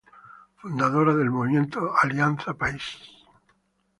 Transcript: Fundadora del Movimiento Alianza País.